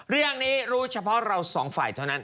เรื่องนี้รู้เฉพาะเราสองฝ่ายเท่านั้น